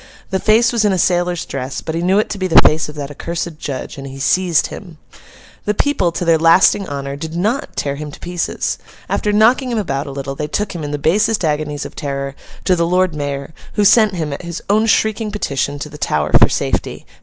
The face was in a sailor's dress, but he knew it to be the face of that accursed judge, and he seized him. The people, to their lasting honour, did not tear him to pieces. After knocking him about a little, they took him, in the basest agonies of terror, to the Lord Mayor, who sent him, at his own shrieking petition, to the Tower for safety.